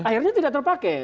akhirnya tidak terpakai